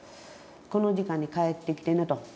この時間に帰ってきてねと。